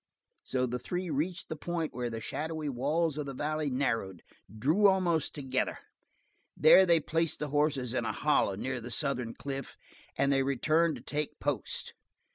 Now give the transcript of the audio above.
So the three reached the point where the shadowy walls of the valley narrowed, drew almost together. There they placed the horses in a hollow near the southern cliff, and they returned to take post.